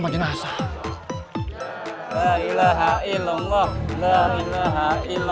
maaf berat ulang di sini ya